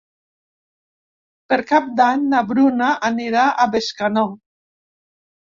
Per Cap d'Any na Bruna anirà a Bescanó.